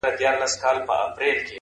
حوصله د ستونزو کلۍ ده